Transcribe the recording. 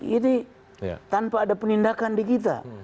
ini tanpa ada penindakan di kita